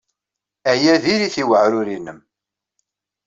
Aya diri-t i uɛrur-nnem.